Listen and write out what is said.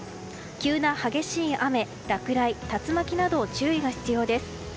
急な激しい雨、落雷、竜巻など注意が必要です。